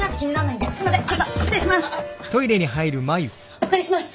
お借りします。